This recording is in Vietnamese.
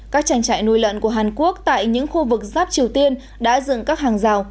các tranh trại nuôi lợn của hàn quốc tại những khu vực giáp triều tiên đã dựng các hàng rào